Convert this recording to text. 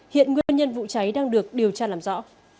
hiện nguyên nhân vụ cháy đang được điều tra làm rõ